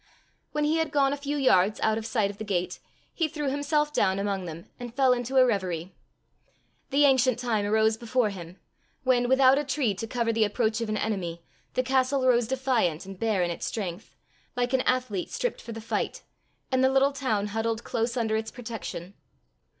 When he had gone a few yards out of sight of the gate, he threw himself down among them, and fell into a reverie. The ancient time arose before him, when, without a tree to cover the approach of an enemy, the castle rose defiant and bare in its strength, like an athlete stripped for the fight, and the little town huddled close under its protection.